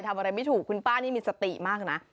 ทำอะไรไม่ถูกคุณป้านี่มีสติมากนะ